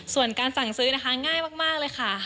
ส่วนการสั่งซื้อนะคะง่ายมากเลยค่ะ